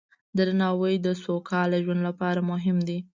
درناوی د سوکاله ژوند لپاره مهم دی.